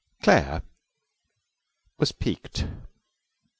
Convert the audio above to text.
Claire was piqued.